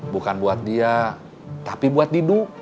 bukan buat dia tapi buat tidur